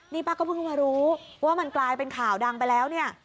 นี่ป้าก็เพิ่งมารู้ว่ามันกลายเป็นข่าวดังไปแล้วเนี่ย